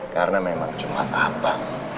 karena memang cuma abang